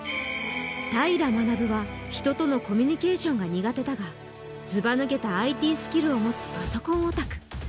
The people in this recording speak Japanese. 平学は人とのコミュニケーションが苦手だがずばぬけたＩＴスキルを持つパソコンオタク